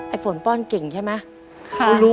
ฝนป้อนเก่งใช่ไหม